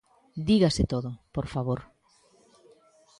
Dígase todo, por favor.